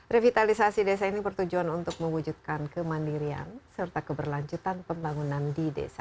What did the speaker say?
revitalisasi desa ini bertujuan untuk mewujudkan kemandirian serta keberlanjutan pembangunan di desa